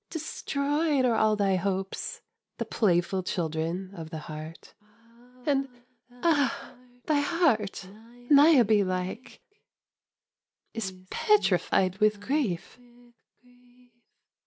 Destroyed are all thy hopes, The playful children of the heart And ah! thy heart, Niobe like, Is petrified with grief!